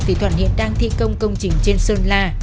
thì thuận hiện đang thi công công trình trên sơn la